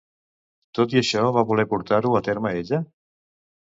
Tot i això, va voler portar-ho a terme ella?